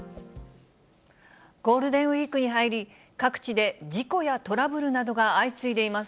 ゴールデンウィークに入り、各地で事故やトラブルなどが相次いでいます。